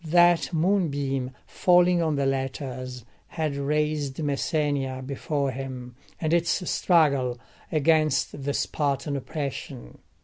That moonbeam falling on the letters had raised Messenia before him, and its struggle against the Spartan oppression.